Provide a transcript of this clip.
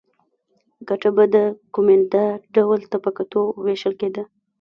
ګټه به د کومېندا ډول ته په کتو وېشل کېده